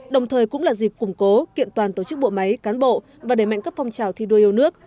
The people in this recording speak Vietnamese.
đồng thời cũng là dịp củng cố kiện toàn tổ chức bộ máy cán bộ và đẩy mạnh các phong trào thi đua yêu nước